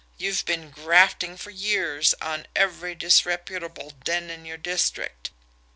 You've been grafting for years on every disreputable den in your district.